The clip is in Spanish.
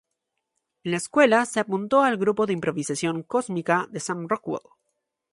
En la escuela, se apuntó al grupo de improvisación cómica con Sam Rockwell.